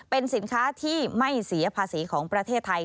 เป็นสินค้าที่ไม่เสียภาษีของประเทศไทย